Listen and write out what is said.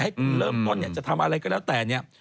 เริ่มต้นเนี่ยจะทำอะไรก็แล้วแต่เนี่ย